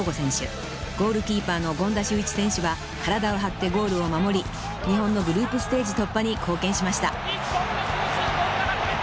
ゴールキーパーの権田修一選手は体を張ってゴールを守り日本のグループステージ突破に貢献しました］